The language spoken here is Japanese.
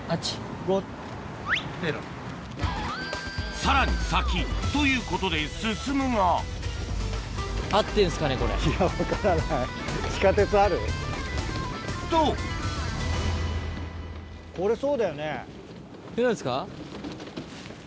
さらに先ということで進むがと何ですか？